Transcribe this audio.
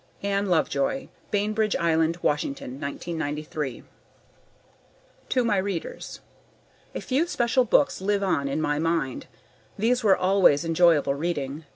Ann Lovejoy, Bainbridge Island, Washington, 1993 To My Readers A few special books live on in my mind. These were always enjoyable reading.